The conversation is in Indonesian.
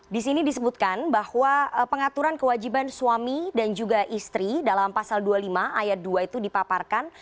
di sini disebutkan bahwa pengaturan kewajiban suami dan juga istri dalam pasal dua puluh lima ayat dua itu dipaparkan